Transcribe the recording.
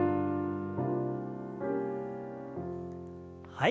はい。